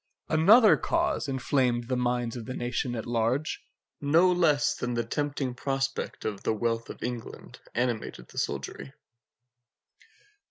Another cause inflamed the minds of the nation at large, no less than the tempting prospect of the wealth of England animated the soldiery.